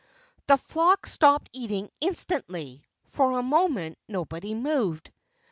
The flock stopped eating instantly. For a moment nobody moved.